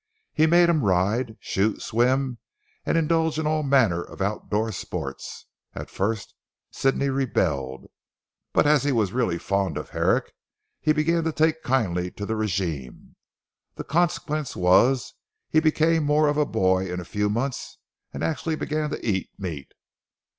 He made him ride, shoot, swim, and indulge in all manner of out of door sports. At first Sidney rebelled, but as he was really fond of Herrick he began to take kindly to the regime. The consequence was he became more of a boy in a few months, and actually began to eat meat.